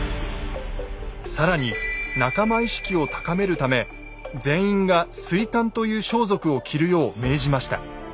更に仲間意識を高めるため全員が「水干」という装束を着るよう命じました。